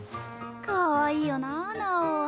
かわいいよなぁ尚。